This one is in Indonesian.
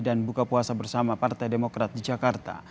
dan buka puasa bersama partai demokrat di jakarta